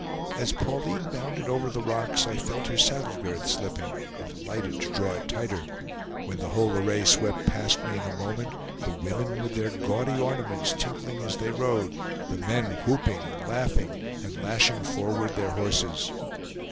As Pauline bounded over the rocks I felt her saddle girth slipping, and alighted to draw it tighter; when the whole array swept past me in a moment, the women with their gaudy ornaments tinkling as they rode, the men whooping, and laughing, and lashing forward their horses.